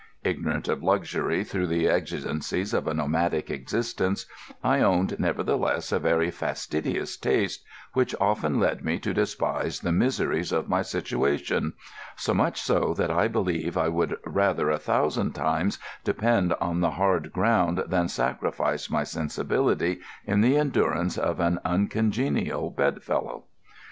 Ignorant of luxury through the exigencies of a nomadic existence, I owned nevertheless a very fastidious taste which often led me to despise the miseries of my situation—so much so that I believe I would rather a thousand times depend on the hard ground than sacrifice my sensibility in the endurance of an uncongenial bedfellow.